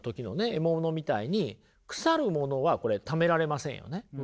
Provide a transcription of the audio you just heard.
獲物みたいに腐るものはこれためられませんよね。